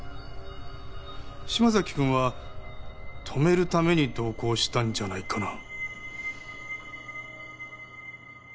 島崎くんは止めるために同行したんじゃないかな？